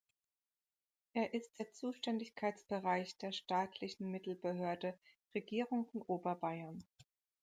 Er ist der Zuständigkeitsbereich der staatlichen Mittelbehörde "Regierung von Oberbayern".